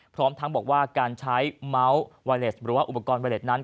พร้อมทั้งบอกว่าการใช้เมาส์ไวเลสหรือว่าอุปกรณ์ไวเล็ตนั้น